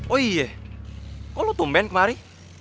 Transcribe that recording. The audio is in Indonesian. oh iya kok lu tumben kemari